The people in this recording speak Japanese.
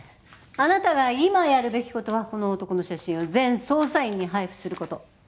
あなたが今やるべきことはこの男の写真を全捜査員に配布すること。